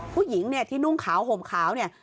ผู้หญิงเนี่ยที่นุ่งขาวห่มขาวเนี่ย